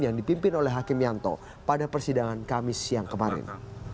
yang dipimpin oleh hakim yanto pada persidangan kamis siang kemarin